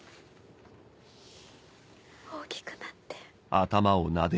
大きくなって。